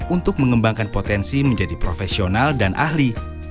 untuk mengembangkan potensi menjadi profesional dan ahli